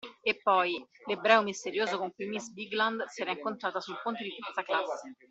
E poi: l’ebreo misterioso con cui miss Bigland si era incontrata sul ponte di terza classe.